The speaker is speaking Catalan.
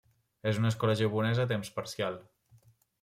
És una escola japonesa a temps parcial.